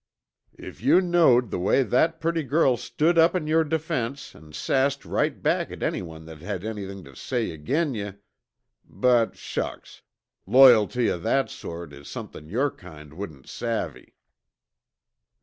If yuh knowed the way that purty girl stood up in yore defense an' sassed right back at anyone that had anything tuh say ag'in yuh but, shucks, loyalty O' that sort is somethin' yore kind wouldn't savvy."